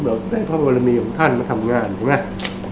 เราได้พระบรมีของท่านมาทำงานถูกไหม